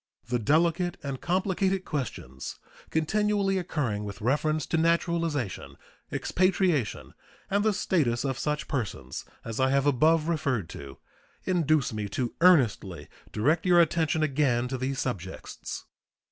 The delicate and complicated questions continually occurring with reference to naturalization, expatriation, and the status of such persons as I have above referred to induce me to earnestly direct your attention again to these subjects.